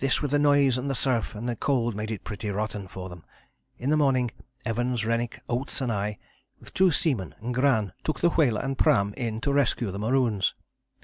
This with the noise of the surf and the cold made it pretty rotten for them. In the morning, Evans, Rennick, Oates and I, with two seamen and Gran, took the whaler and pram in to rescue the maroons.